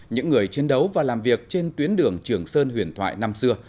những người chiến đấu và làm việc trên tuyến đường trường sơn huyền thoại năm xưa